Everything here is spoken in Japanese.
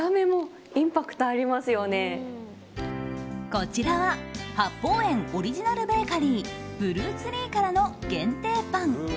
こちらは八芳園オリジナルベーカリーＢＬＵＥＴＲＥＥからの限定パン。